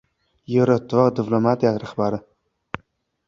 Yevroittifoq diplomatiyasi rahbari